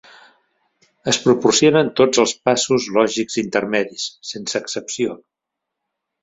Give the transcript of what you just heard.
Es proporcionen tots els passos lògics intermedis, sense excepció.